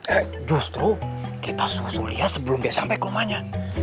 eh justru kita susul dia sebelum dia sampai ke rumahnya